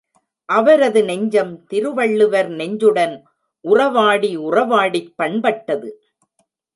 அவரது நெஞ்சம் திருவள்ளுவர் நெஞ்சுடன் உறவாடி உறவாடிப் பண்பட்டது.